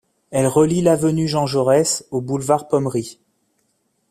Elle relie l'avenue Jean-Jaurès au boulevard Pommery.